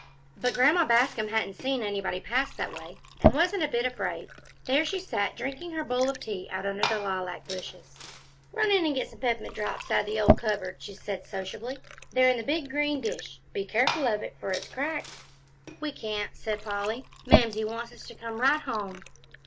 But Grandma Bascom hadn't seen anybody pass that way, and wasn't a bit afraid. There she sat, drinking her bowl of tea out under the lilac bushes. "Run in an' get some pep'mint drops out o' the cupboard," she said sociably, "they're in the big green dish. Be careful of it, for it's cracked." "We can't," said Polly, "Mamsie wants us to come right home."